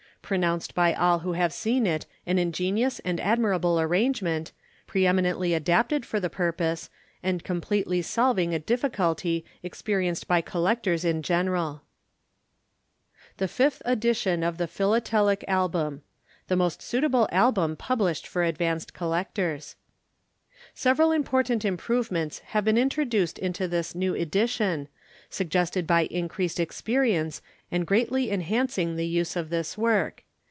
Pronounced by all who have seen it an ingenious and admirable arrangement, pre eminently adapted for the purpose, and completely solving a difficulty experienced by collectors in general. THE FIFTH EDITION OF THE PHILATELIC ALBUM. The most suitable Album published for Advanced Collectors. Several important improvements have been introduced into this New Edition, suggested by increased experience, and greatly enhancing the use of this Work.